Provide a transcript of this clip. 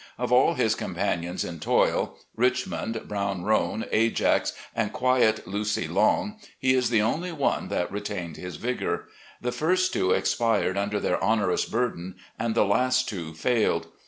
Of all his companions in toil, ' Richmond,' ' Brown Roan,' 'Ajax,' and quiet 'Lucy Long,' he is the only one that retained his vigour. The first two expired tmder their onerous burden, and the last two failed.